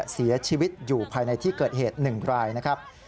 เสียชีวิตอยู่ภายในที่เกิดเหตุ๑รายนะครับ